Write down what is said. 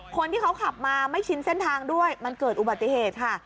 คนที่เขาขับมาไม่ชินเส้นทางด้วยมันเกิดอุบัติเหตุค่ะ